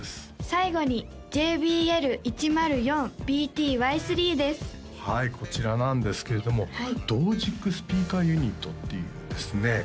最後にＪＢＬ１０４−ＢＴ−Ｙ３ですこちらなんですけれども同軸スピーカーユニットっていうですね